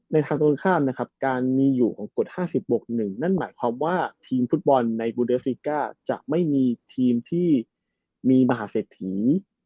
ทางตรงข้ามนะครับการมีอยู่ของกฎ๕๐บก๑นั่นหมายความว่าทีมฟุตบอลในบูเดฟริก้าจะไม่มีทีมที่มีมหาเศรษฐี